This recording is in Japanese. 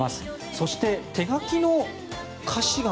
そして手書きの歌詞が。